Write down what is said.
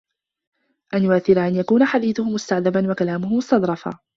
أَنْ يُؤْثِرَ أَنْ يَكُونَ حَدِيثُهُ مُسْتَعْذَبًا وَكَلَامُهُ مُسْتَظْرَفًا